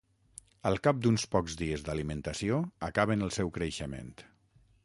Al cap d'uns pocs dies d'alimentació, acaben el seu creixement.